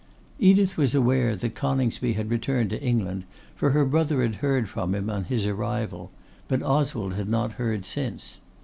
Edith was aware that Coningsby had returned to England, for her brother had heard from him on his arrival; but Oswald had not heard since.